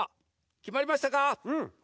きまりました。